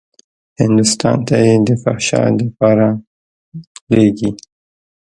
هندوستان ته يې د فحشا دپاره لېږي.